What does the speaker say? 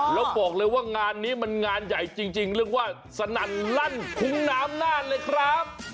แล้วบอกเลยว่างานนี้มันงานใหญ่จริงเรียกว่าสนั่นลั่นคุ้งน้ำนานเลยครับ